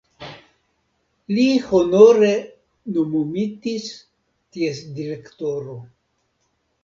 Li honore nomumitis ties direktoro.